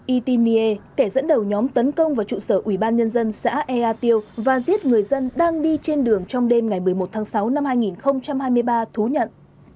y tinier kẻ dẫn đầu nhóm tấn công vào trụ sở ủy ban nhân dân xã ea tiêu và giết người dân đang đi trên đường trong đêm ngày một mươi một tháng sáu năm hai nghìn hai mươi ba thú nhận